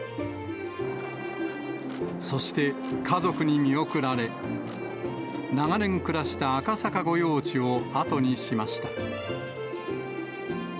そして、家族に見送られ、長年暮らした赤坂御用地を後にしました。